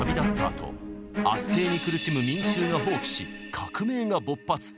あと圧政に苦しむ民衆が蜂起し革命が勃発。